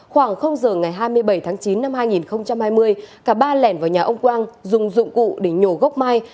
khoảng giờ ngày hai mươi bảy tháng chín năm hai nghìn hai mươi cả ba lẻn vào nhà ông quang dùng dụng cụ để nhổ gốc mai